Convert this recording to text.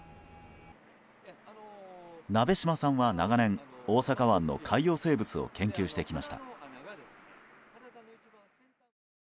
鍋島さんは、長年大阪湾の海洋生物を研究してきました。